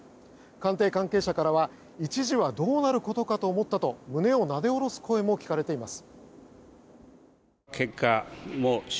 官邸関係者からは一時はどうなることかと思ったと胸をなで下ろす声も聞かれています。